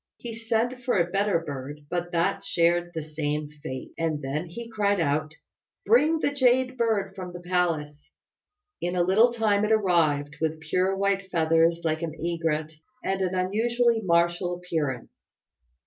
He sent for a better bird, but that shared the same fate; and then he cried out, "Bring the Jade Bird from the palace!" In a little time it arrived, with pure white feathers like an egret, and an unusually martial appearance.